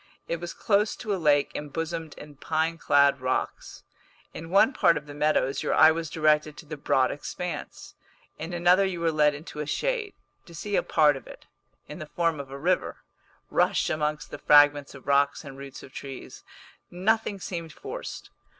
It was close to a lake embosomed in pine clad rocks. In one part of the meadows your eye was directed to the broad expanse, in another you were led into a shade, to see a part of it, in the form of a river, rush amongst the fragments of rocks and roots of trees; nothing seemed forced.